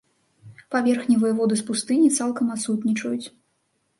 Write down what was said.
Паверхневыя воды з пустыні цалкам адсутнічаюць.